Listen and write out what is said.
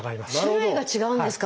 種類が違うんですか？